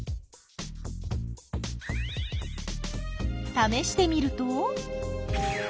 ためしてみると？